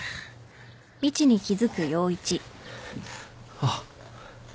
あっ。